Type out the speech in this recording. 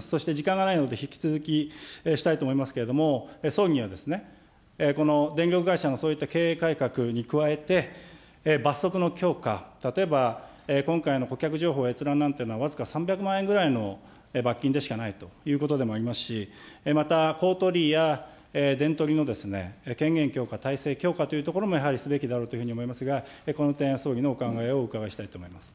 そして時間がないので、引き続きしたいと思いますけれども、総理はこの電力会社のそういった経営改革に加えて、罰則の強化、例えば、今回の顧客情報閲覧なんというのは僅か３００万円ぐらいの罰金でしかないということでもありますし、また、公取委やの権限強化、体制強化というところもやはりすべきだろうというふうに思いますが、この点、総理のお考えをお伺いしたいと思います。